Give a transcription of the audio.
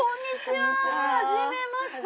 はじめまして。